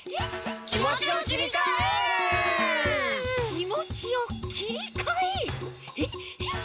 きもちをきりかえる？